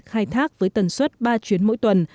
khai thác với tần suất ba chuyến mỗi tuần